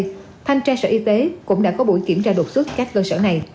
theo sở y tế thanh tra sở y tế cũng đã có buổi kiểm tra độc xuất các cơ sở này